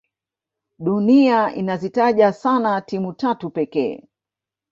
dunia inazitaja sana timu tatu pekee